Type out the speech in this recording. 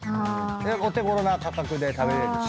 お手ごろな価格で食べれるし。